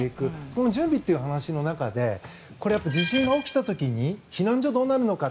この準備という話の中で地震が起きた時に避難所どうなるのか。